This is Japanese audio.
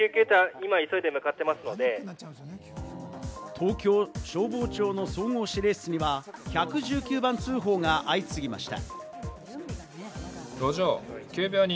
東京消防庁の総合指令室には１１９番通報が相次ぎました。